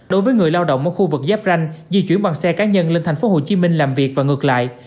đối với người lao động ở khu vực giáp ranh di chuyển bằng xe cá nhân lên tp hcm làm việc và ngược lại